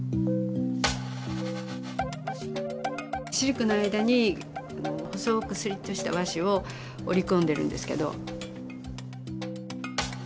シルクの間に細くスリットした和紙を織り込んでるんですけど。